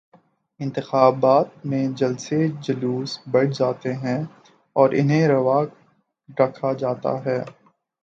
انتخابات میں جلسے جلوس بڑھ جاتے ہیں اور انہیں روا رکھا جاتا ہے۔